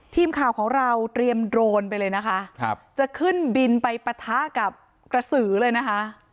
ทีมข่าวของเราเตรียมโดรนไปเลยนะคะครับจะขึ้นบินไปปะทะกับกระสือเลยนะคะ